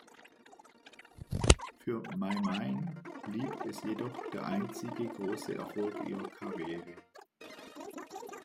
Für My Mine blieb es jedoch der einzige große Erfolg ihrer Karriere.